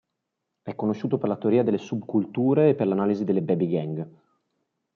È conosciuto per la teoria delle subculture e per l'analisi delle "baby gang".